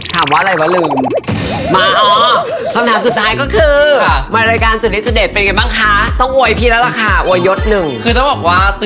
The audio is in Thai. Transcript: ถ้ามีพอหนึ่งข้อก็จะขอว่า